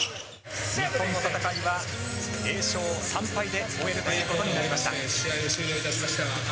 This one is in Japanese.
日本の戦いは０勝３敗で終えるということになりました。